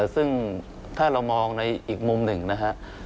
ซึ่งถ้าเรามองในอีกมุมหนึ่งนะครับ